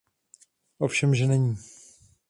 Ovšemže není.